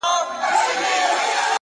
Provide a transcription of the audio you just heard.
o مسافر ليونى،